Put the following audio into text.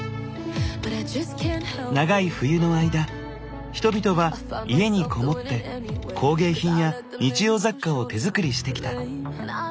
長い冬の間人々は家に籠もって工芸品や日用雑貨を手作りしてきた。